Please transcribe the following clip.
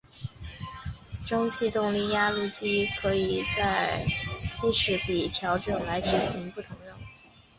蒸气动力压路机可藉齿比调整来执行不同任务。